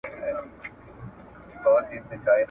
دا خبره هم پر ژبه سم راوړلای ..